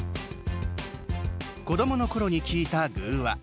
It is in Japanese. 子どものころに聞いた寓話。